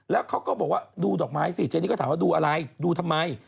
แล้วเขาก็บอกว่าดูดอกไม้สิเจนี่ก็ถามว่าดูอะไรดูทำไม